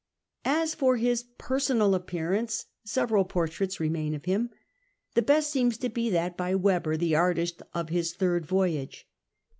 As for liis personal appearance, several portraits remain of him. The best seems to be that by Webber, the artist of his third voyage.